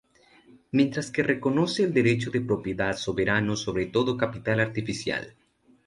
Mientras que reconoce el derecho de propiedad soberano sobre todo capital artificial.